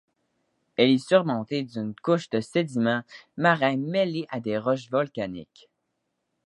Elle est surmontée d'une couche de sédiments marins mêlés à des roches volcaniques.